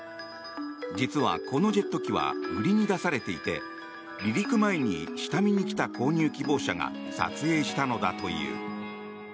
実は、このジェット機は売りに出されていて離陸前に下見に来た購入希望者が撮影したのだという。